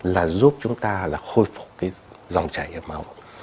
là giúp chúng ta là khôi phục cái dòng chảy máu